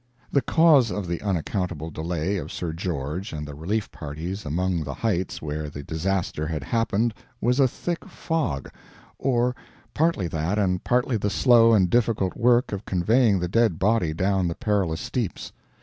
The cause of the unaccountable delay of Sir George and the relief parties among the heights where the disaster had happened was a thick fog or, partly that and partly the slow and difficult work of conveying the dead body down the perilous steeps.